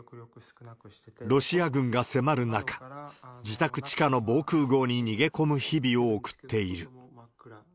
ロシア軍が迫る中、自宅地下の防空ごうに逃げ込む日々を送っている。